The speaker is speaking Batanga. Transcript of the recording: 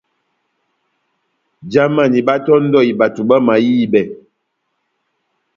Jamani báhátɔ́ndɔhi bato bamahibɛ.